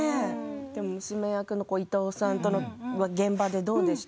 娘役の伊東さんとは現場でどうでした？